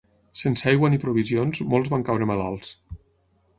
Sense aigua ni provisions, molts van caure malalts.